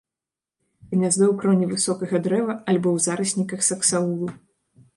Гняздо ў кроне высокага дрэва альбо ў зарасніках саксаулу.